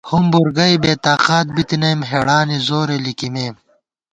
ہُومبُور گئ بےتاقات بِتنَئیم، ہېڑانی زورے لِکِمېم